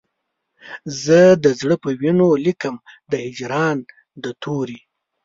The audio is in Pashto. زه د زړه په وینو لیکم د هجران د توري